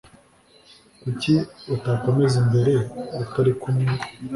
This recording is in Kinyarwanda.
Kuki utakomeza imbere utari kumwe?